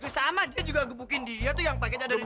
sama dia juga gebukin dia tuh yang pakai cadar hitam